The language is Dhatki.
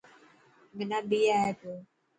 منا ٻي آئي پيو.